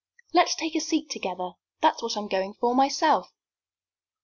"Let's take a seat together that's what I'm going for myself."